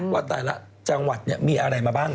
ว่าแต่ละจังหวัดมีอะไรมาบ้าง